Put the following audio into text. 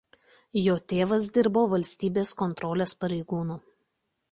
Jo tėvas dirbo valstybės kontrolės pareigūnu.